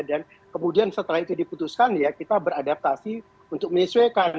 dan kemudian setelah itu diputuskan ya kita beradaptasi untuk menyesuaikan